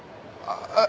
ああ。